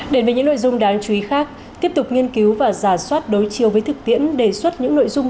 đến với những nội dung đáng chú ý khác tiếp tục nghiên cứu và giả soát đối chiều với thực tiễn đề xuất những nội dung